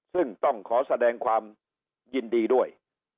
ซึ่งต้องขอแสดงความยินดีด้วย